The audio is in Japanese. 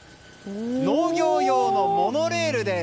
農業用のモノレールです。